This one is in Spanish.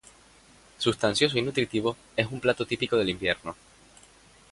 Sustancioso y nutritivo es un plato típico del invierno.